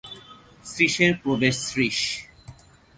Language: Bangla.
শ্রীশের প্রবেশ শ্রীশ।